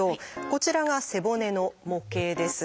こちらが背骨の模型です。